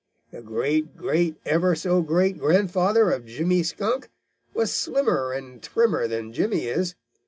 The great great ever so great grandfather of Jimmy Skunk was slimmer and trimmer than Jimmy is.